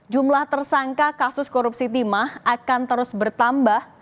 jumlah tersangka kasus korupsi timah akan terus bertambah